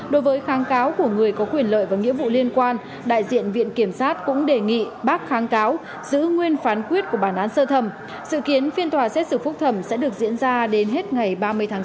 đối với kháng cáo của người có quyền lợi và nghĩa vụ liên quan đại diện viện kiểm sát cũng đề nghị bác kháng cáo giữ nguyên phán quyết của bản án sơ thẩm sự kiến phiên tòa xét xử phúc thẩm sẽ được diễn ra đến hết ngày ba mươi tháng sáu